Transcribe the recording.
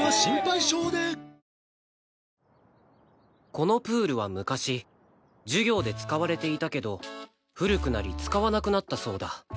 このプールは昔授業で使われていたけど古くなり使わなくなったそうだ